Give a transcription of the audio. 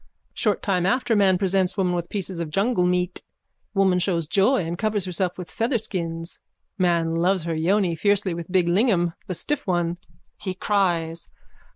Short time after man presents woman with pieces of jungle meat. Woman shows joy and covers herself with featherskins. Man loves her yoni fiercely with big lingam, the stiff one. _(He cries.)